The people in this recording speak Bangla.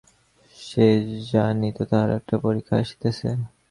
সে জানিত তাহার একটা পরীক্ষা আসিতেছে।